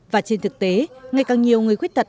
và trên thực tế ngày càng nhiều người khuyết tật